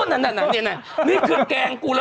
นี่คือแกรงกูละ๑